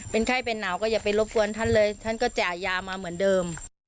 เป็นไข้เป็นหนาวก็อย่าไปรบกวนท่านเลยท่านก็จ่ายยามาเหมือนเดิม